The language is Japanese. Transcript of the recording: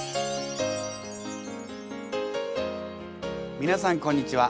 皆さんこんにちは。